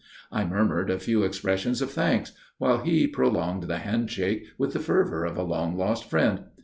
I murmured a few expressions of thanks, while he prolonged the handshake with the fervour of a long lost friend.